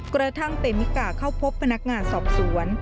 กระทั่งเปมิกาเข้าพบพนักงานสอบสวน